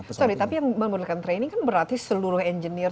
tapi yang membutuhkan training kan berarti seluruh engineer